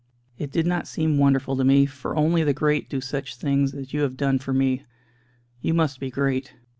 It did not seem wonderful to me, for only the great do such things as you have done for me. You must be great."